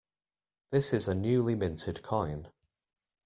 This is a newly minted coin.